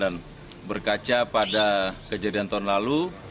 dan berkaca pada kejadian tersebut